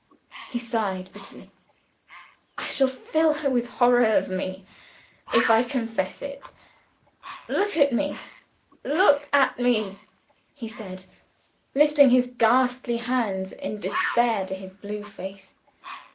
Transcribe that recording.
He sighed bitterly. "I shall fill her with horror of me, if I confess it. Look at me! look at me!" he said, lifting his ghastly hands in despair to his blue face.